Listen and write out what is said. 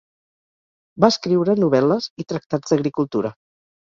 Va escriure novel·les i tractats d'agricultura.